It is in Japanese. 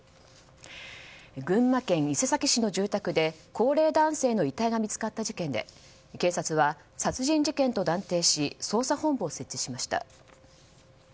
群馬県伊勢崎市の住宅で高齢男性の遺体が見つかった事件で警察は殺人事件と断定し捜査本部を設置しました。